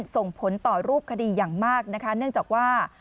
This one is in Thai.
ส่งผลต่อรูปคดีอย่างมากนะคะเนื่องจากว่า